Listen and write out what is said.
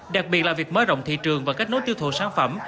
đặc biệt là việc mở rộng thị trường và kết nối tiêu thụ sản phẩm